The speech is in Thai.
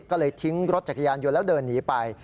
ก็เลยทิ้งรถจักรยานยนต์แล้วเดินหนีไป